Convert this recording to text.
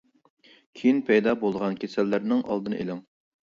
كېيىن پەيدا بولىدىغان كېسەللەرنىڭ ئالدىنى ئېلىڭ.